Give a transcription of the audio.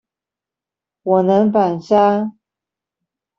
我能反殺